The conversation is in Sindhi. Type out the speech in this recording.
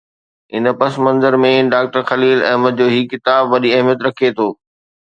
ان پس منظر ۾ ڊاڪٽر خليل احمد جو هي ڪتاب وڏي اهميت رکي ٿو.